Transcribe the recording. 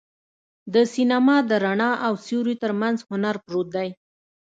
د سینما د رڼا او سیوري تر منځ هنر پروت دی.